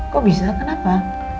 kok bisa kenapa